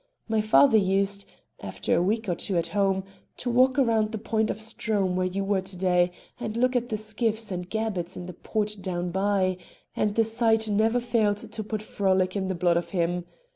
My father used, after a week or two at home, to walk round the point of Strome where you were to day and look at the skiffs and gabberts in the port down by, and the sight never failed to put frolic in the blood of him.